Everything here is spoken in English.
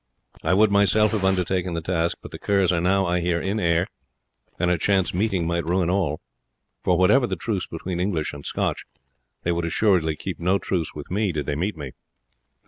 I would myself have undertaken the task; but the Kerrs are now, I hear, in Ayr, and a chance meeting might ruin all; for whatever the truce between English and Scotch, they would assuredly keep no truce with me did they meet me.